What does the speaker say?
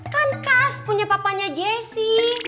kan khas punya papanya jessi